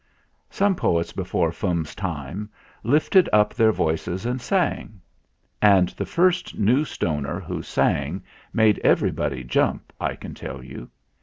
Some poets before Fum's time lifted up their voices and sang. And the first New Stoner who sang made everybody jump, I can tell you.